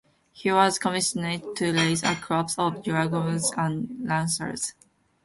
He was commissioned to raise a corps of dragoons and lancers.